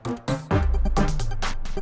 kau gak sudah tahu